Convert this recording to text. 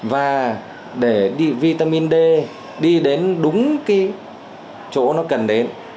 và để vitamin d đi đến đúng cái chỗ nó cần đến